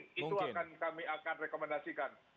itu kami akan rekomendasikan